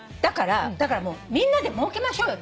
だからみんなでもうけましょうよって。